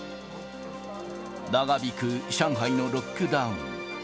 長引く上海のロックダウン。